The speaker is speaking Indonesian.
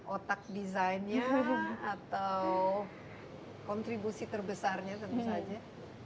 otak desainnya atau kontribusi terbesarnya tentu saja